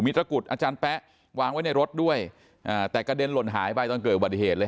ตระกุดอาจารย์แป๊ะวางไว้ในรถด้วยอ่าแต่กระเด็นหล่นหายไปตอนเกิดอุบัติเหตุเลย